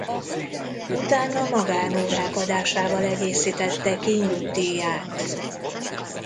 Utána magánórák adásával egészítette ki nyugdíját.